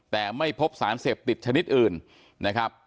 แต่ไม่พบสารเสพติดชนิดอื่นนะครับ